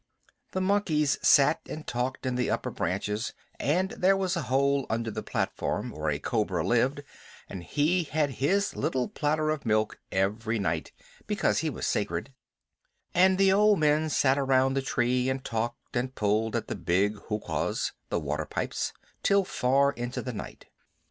The monkeys sat and talked in the upper branches, and there was a hole under the platform where a cobra lived, and he had his little platter of milk every night because he was sacred; and the old men sat around the tree and talked, and pulled at the big huqas (the water pipes) till far into the night.